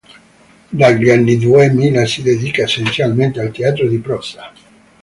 Dagli anni duemila si dedica essenzialmente al teatro di prosa.